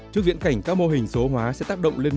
các doanh nghiệp việt nam đang là rất lớn